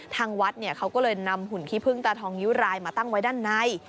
ทางวัดเขาก็เลยนำหุ่นขี้พึ่งตาทองนิ้วรายมาตั้งไว้ด้านใน